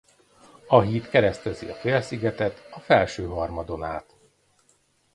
A híd keresztezi a félszigetet a felső harmadon át.